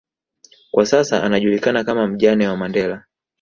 kwa sasa anajulikana kama mjane wa Mandela